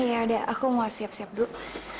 ya udah aku mau siap siap dulu